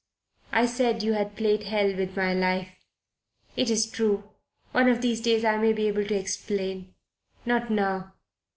I said you had played hell with my life. It's true. One of these days I may be able to explain. Not now.